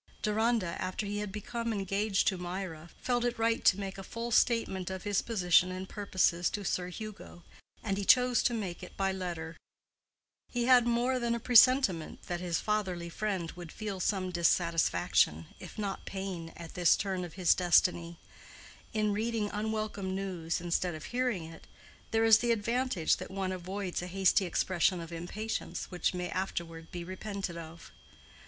Deronda, after he had become engaged to Mirah, felt it right to make a full statement of his position and purposes to Sir Hugo, and he chose to make it by letter. He had more than a presentiment that his fatherly friend would feel some dissatisfaction, if not pain, at this turn of his destiny. In reading unwelcome news, instead of hearing it, there is the advantage that one avoids a hasty expression of impatience which may afterward be repented of.